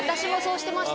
してました。